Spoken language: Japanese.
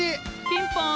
ピンポン。